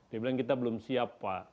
dia bilang kita belum siap pak